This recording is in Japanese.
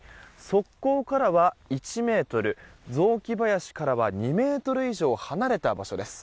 側溝からは１ｍ、雑木林からは２ｍ以上離れた場所です。